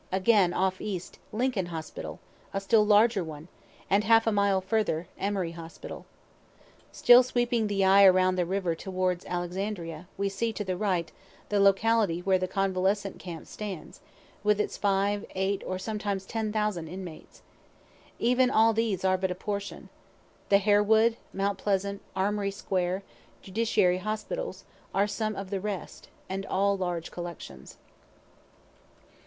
Again, off east, Lincoln hospital, a still larger one; and half a mile further Emory hospital. Still sweeping the eye around down the river toward Alexandria, we see, to the right, the locality where the Convalescent camp stands, with its five, eight, or sometimes ten thousand inmates. Even all these are but a portion. The Harewood, Mount Pleasant, Armory square, Judiciary hospitals, are some of the rest, and all large collections.